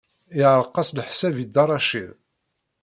Yeɛreq-as leḥsab i Dda Racid.